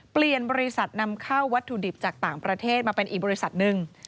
เปลี่ยนบริษัทนำเข้าวัตถุดิบจากต่างประเทศมาเป็นอีกบริษัทหนึ่ง